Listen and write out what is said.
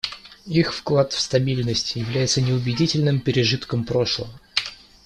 Их вклад в стабильность является неубедительным пережитком прошлого.